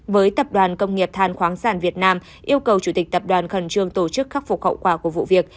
với tập đoàn công nghiệp than khoáng sản việt nam yêu cầu chủ tịch tập đoàn khẩn trương tổ chức khắc phục hậu quả của vụ việc